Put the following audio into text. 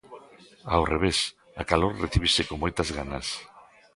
Ao revés, a calor recíbese con moitas ganas.